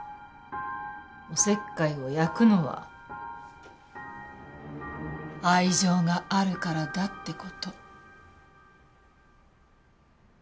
おせっかいを焼くのは愛情があるからだって事。